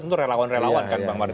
tentu relawan relawan kan bang mardani